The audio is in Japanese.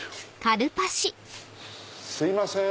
すいません！